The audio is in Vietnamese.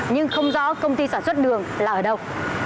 nhưng không rõ công ty sản xuất đường là ở đâu